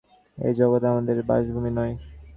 এই জগৎ আমাদের বাসভূমি নয়।